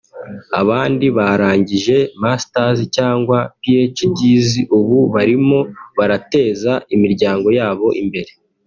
abandi barangije Masters cyangwa PhDs ubu barimo barateza imiryango yabo imbere